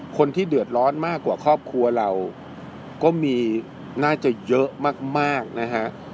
คนที่เดือดร้อนมากกว่าครอบครัวเราก็มีน่าจะเยอะมากนะฮะ